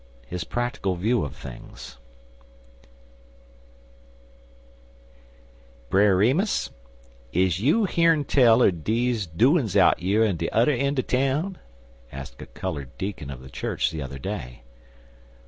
HIS PRACTICAL VIEW OF THINGS "BRER REMUS, is you heern tell er deze doin's out yer in de udder eend er town?" asked a colored deacon of the church the other day.